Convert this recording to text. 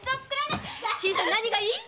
何がいい？